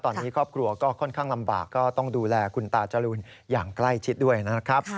ตอนนี้ครอบครัวก็ค่อนข้างลำบากก็ต้องดูแลคุณตาจรูนอย่างใกล้ชิดด้วยนะครับ